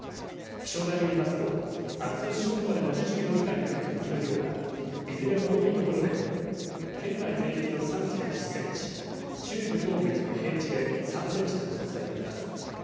気象台によりますとあす正午までの２４時間に降る雪の量はいずれも多い所で県内全域の山地で１０センチ中部、東部伊豆の平地で３センチと予想されています。